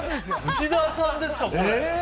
内田さんですか、これ。